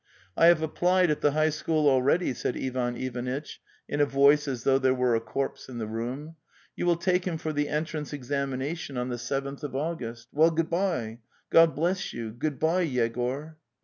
"IT have applied at the high school already," said Ivan Ivanitch in a voice as though there were a corpse in the room. "' You will take him for the entrance examination on the seventh of August. ... Well, good bye; God bless you, good bye, Yegor!"